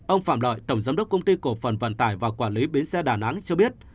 ông phạm lợi tổng giám đốc công ty cổ phần vận tải và quản lý bến xe đà nẵng cho biết